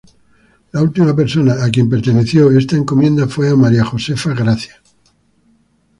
La última persona a quien perteneció esta encomienda fue a María Josefa Gracia.